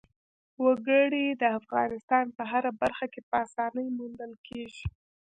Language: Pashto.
وګړي د افغانستان په هره برخه کې په اسانۍ موندل کېږي.